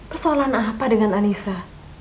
persoalan apa dengan anissa